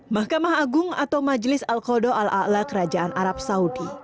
mahkamah agung atau majelis al qaeda al a'la kerajaan arab saudi